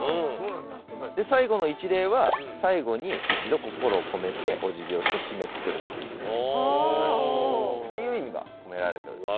で最後の一礼は最後に一度心を込めてお辞儀をして締めくくると。っていう意味が込められております。